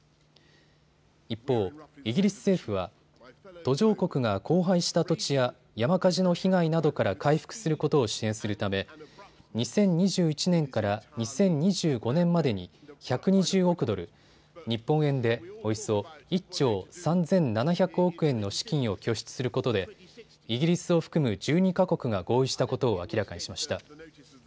一方、イギリス政府は途上国が荒廃した土地や山火事の被害などから回復することを支援するため２０２１年から２０２５年までに１２０億ドル、日本円でおよそ１兆３７００億円の資金を拠出することでイギリスを含む１２か国が合意したことを明らかにしました。